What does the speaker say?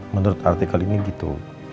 menurut artikel ini gitu